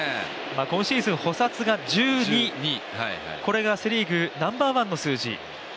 今シーズン捕殺が１２、これがセ・リーグナンバーワンの数字。